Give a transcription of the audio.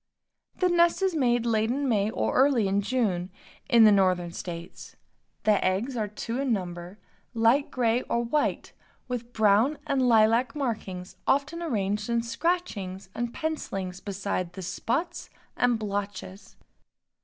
The nest is made late in May or early in June, in the Northern states. The eggs are two in number, light gray or white, with brown and lilac markings often arranged in scratchings and pencilings besides the spots and blotches.